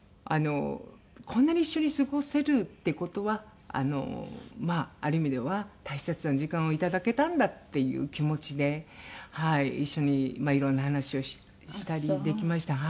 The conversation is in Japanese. こんなに一緒に過ごせるって事はまあある意味では大切な時間をいただけたんだっていう気持ちではい一緒にいろんな話をしたりできました。